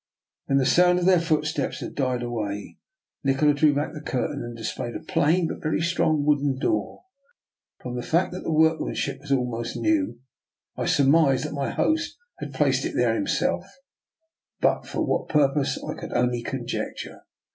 When the sound of their footsteps had died away, Nikola drew back the curtain and displayed a plain but very strong wooden door. From the fact that the workmanship was almost new I surmised that my host had placed it there himself, but for what purpose I could only conjecture.